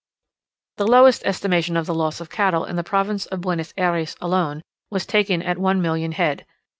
The lowest estimation of the loss of cattle in the province of Buenos Ayres alone, was taken at one million head.